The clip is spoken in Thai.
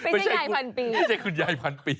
ไม่ใช่คุณยายพันปี